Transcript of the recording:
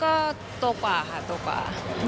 ก็โตกว่าค่ะโตกว่า